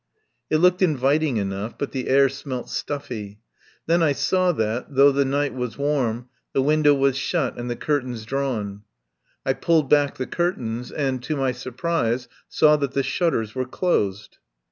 It looked inviting enough, but the air smelt stuffy. Then I saw that, though the night was warm, the window was shut and the cur tains drawn. I pulled back the curtains, and, to my surprise, saw that the shutters were closed.